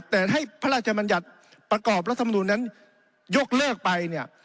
แต่ให้พระราชมัญญัติประกอบรัฐมนุนนั้นยกเลิกไปเนี่ย